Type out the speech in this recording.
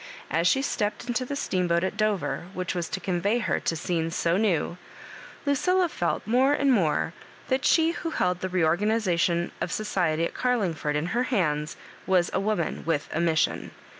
As she stepped into the steamboat at Dover which was to convey her to scenes so new, Luoilla felt more and more that she who held the reorgani sation of society at Garlingford in her hands was a woman ^th a missLon.